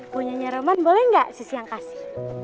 punya nya roman boleh gak si siang kasih